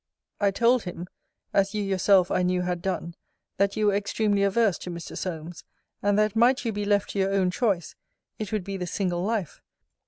I told him, as you yourself I knew had done, that you were extremely averse to Mr. Solmes; and that, might you be left to your own choice, it would be the single life.